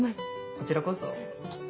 こちらこそ。